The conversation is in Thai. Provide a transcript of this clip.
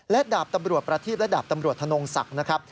และดาบตำรวจประทีบและดาบตำรวจธนงศักดิ์นะครับ